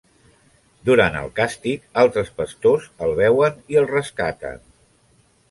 Durant el càstig altres pastors el veuen i el rescaten.